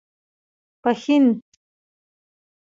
پښين